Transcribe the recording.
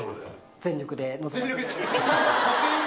全力で、臨みます。